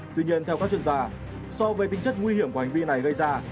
tuy nhiên theo các chuyên gia